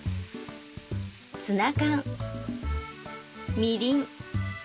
ツナ缶みりん